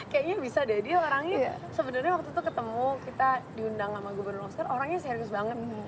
kayaknya bisa deh dia orangnya sebenarnya waktu itu ketemu kita diundang sama gubernur loster orangnya serius banget